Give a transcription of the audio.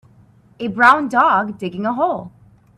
A brown dog digging a hole.